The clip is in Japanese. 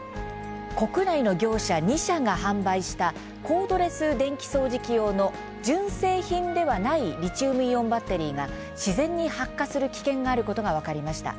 国内の業者２社が販売したコードレス電気掃除機用の純正品ではないリチウムイオンバッテリーが自然に発火する危険があることが分かりました。